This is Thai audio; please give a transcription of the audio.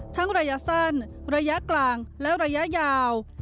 ระยะสั้นระยะกลางและระยะยาว